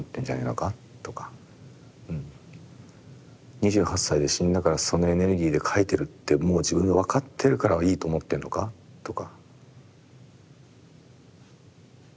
２８歳で死んだからそのエネルギーで描いてるってもう自分で分かってるからいいと思ってんのか？とか。